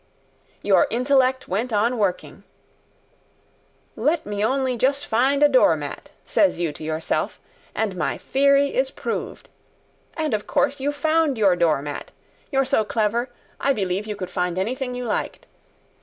Your intellect went on working. 'Let me only just find a door mat,' says you to yourself, 'and my theory is proved!' And of course you found your door mat. You're so clever, I believe you could find anything you liked.